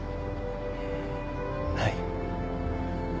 はい。